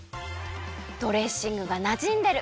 ドレッシングがなじんでる。